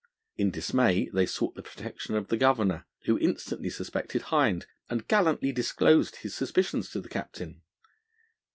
In dismay they sought the protection of the Governor, who instantly suspected Hind, and gallantly disclosed his suspicions to the Captain.